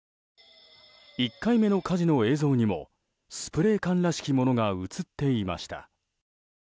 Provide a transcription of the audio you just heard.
１回目の火事の映像にもスプレー缶らしきものが映っていました。